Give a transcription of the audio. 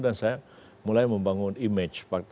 dan saya mulai membangun image